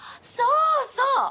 そうそう！